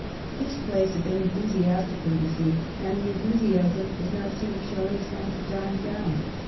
These plays have been enthusiastically re ceived, and the enthusiasm does not seem to show any signs of dying down.